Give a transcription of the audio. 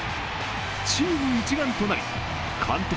チーム一丸となり監督